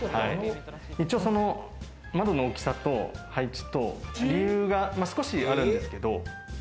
一応、窓の大きさと配置には理由が少しあるんですけど。